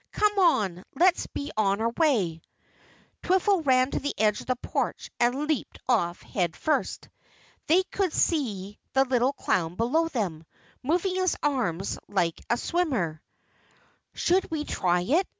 Come on, let's be on our way." Twiffle ran to the edge of the porch and leaped off head first. They could see the little clown below them, moving his arms like a swimmer. "Should we try it?"